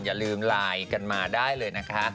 อย่าลืมไลน์กันมาได้เลยนะคะ